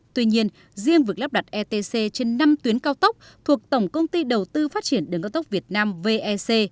tuy nhiên riêng việc lắp đặt etc trên năm tuyến cao tốc thuộc tổng công ty đầu tư phát triển đường cao tốc việt nam vec